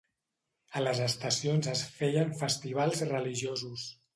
A les estacions es feien festivals religiosos.